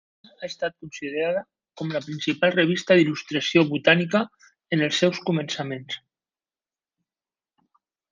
La revista ha estat considerada com la principal revista d'il·lustració botànica en els seus començaments.